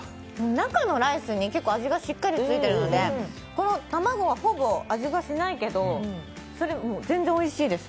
中のライスに結構味がしっかりついてるので、この卵はほぼ味がしないけど全然おいしいです。